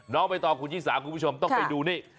นอกไปต่อคุณชิสาคุณผู้ชมต้องไปดูนี่